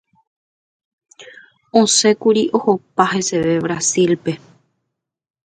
osẽkuri ohopa heseve Brasil-pe.